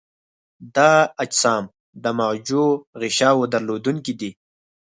دا اجسام د معوجو غشاوو درلودونکي دي.